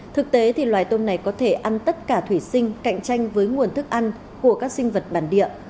thực tế thì loài tôm này có thể ăn tất cả thủy sinh cạnh tranh với nguồn thức ăn của các sinh vật bản địa